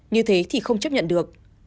như thế thì không chấp nhận được